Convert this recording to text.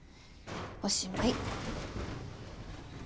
おしまい。